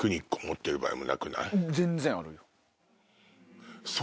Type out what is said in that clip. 全然あるよ。